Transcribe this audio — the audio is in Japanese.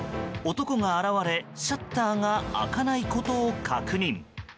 男が現れシャッターが開かないことを確認。